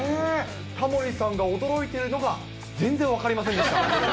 タモリさんが驚いてるのが、全然分かりませんでした。